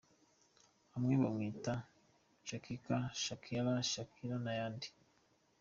Hamwe bamwita Shakika, Shakeela , Shaquila n’ayandi.